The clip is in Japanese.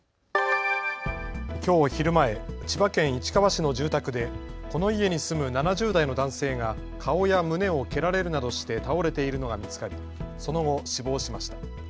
きょう昼前、千葉県市川市の住宅でこの家に住む７０代の男性が顔や胸を蹴られるなどして倒れているのが見つかりその後、死亡しました。